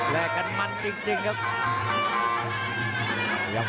แลกกันมันจริงครับ